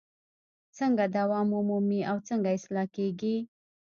څنګه دوام ومومي او څنګه اصلاح کیږي؟